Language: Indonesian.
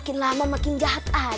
belum jadi penguasa aja udah jahat